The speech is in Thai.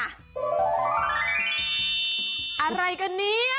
อะไรกันเนี่ย